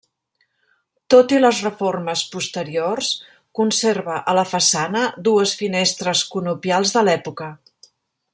Tot i les reformes posteriors conserva a la façana dues finestres conopials de l'època.